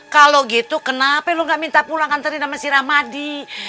kalo gitu kenapa lo gak minta pulang kan tadi sama si rahmadi